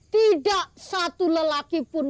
tidak satu lelaki pun